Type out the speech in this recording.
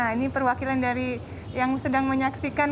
ini perwakilan dari yang sedang menyaksikan